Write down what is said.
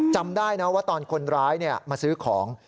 จำได้นะว่าตอนคนร้ายมาซื้อของ